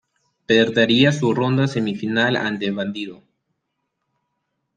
Perdería su ronda semifinal ante Bandido.